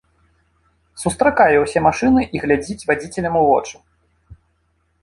Сустракае ўсе машыны і глядзіць вадзіцелям у вочы.